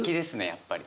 やっぱり。